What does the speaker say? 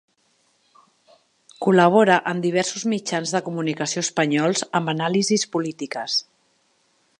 Col·labora en diversos mitjans de comunicació espanyols amb anàlisis polítiques.